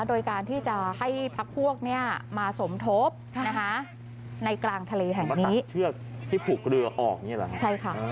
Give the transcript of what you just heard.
โดยการที่จะให้พระพวกมาสมทบในกลางทะเลแห่งนี้